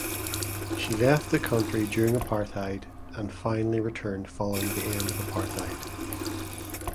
She left the country during Apartheid and finally returned following the end of apartheid.